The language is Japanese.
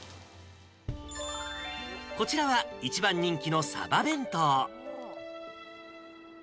こちらは一番人気のサバ弁当。